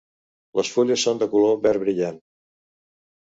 Les fulles són de color verd brillant.